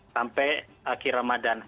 sampai akhir ramadan